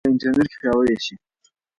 پښتو به په انټرنیټ کې پیاوړې شي.